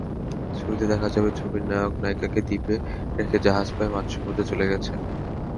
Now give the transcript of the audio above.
ছবিতে দেখা যাবে, ছবির নায়ক-নায়িকাকে দ্বীপে রেখে জাহাজ প্রায় মাঝসমুদ্রে চলে গেছে।